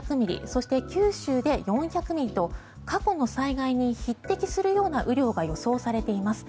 そして、九州で４００ミリと過去の災害に匹敵するような雨量が予想されています。